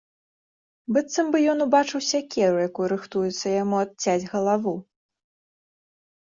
Быццам бы ён убачыў сякеру, якой рыхтуецца яму адцяць галаву.